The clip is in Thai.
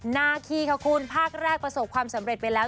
นาคีค่ะคุณภาคแรกประสบความสำเร็จไปแล้ว